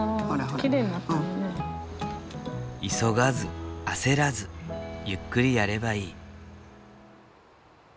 急がず焦らずゆっくりやればいい。